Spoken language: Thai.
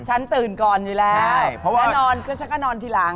ฉันตื่นก่อนอยู่แล้วเพราะว่านอนก็ฉันก็นอนทีหลัง